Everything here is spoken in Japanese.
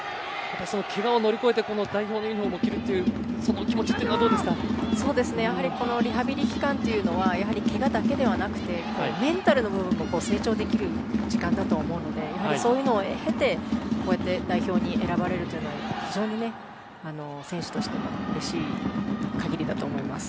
けがを乗り越えて代表のユニホームを着るというリハビリ期間はけがだけではなくてメンタルの部分も成長できる時間だと思うのでやはり、そういうのを経て代表に選ばれるというのは非常に選手としてもうれしい限りだと思います。